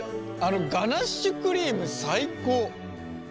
ガナッシュクリーム最高。